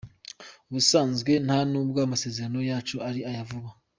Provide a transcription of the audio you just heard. Ubusanzwe nta n’ubwo amasezerano yacu ari aya vuba.